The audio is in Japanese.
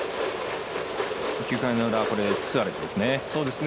９回の裏、スアレスですね。